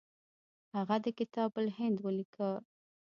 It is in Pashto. هغه د کتاب الهند ولیکه.